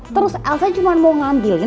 terus elsa cuma mau ngambil